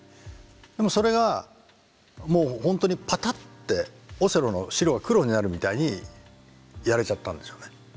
でもそれがもうほんとにパタッてオセロの白が黒になるみたいにやれちゃったんですよね。